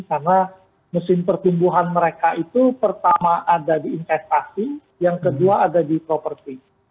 karena mesin pertumbuhan mereka itu pertama ada di investasi yang kedua ada di property